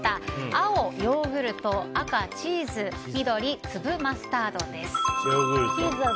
青、ヨーグルト赤、チーズ緑、粒マスタードです。